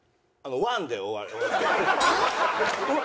「ワン！」で終わり。